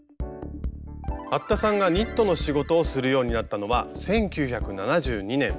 服田さんがニットの仕事をするようになったのは１９７２年。